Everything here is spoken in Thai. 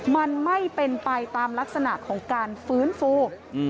มันไม่เป็นไปตามลักษณะของการฟื้นฟู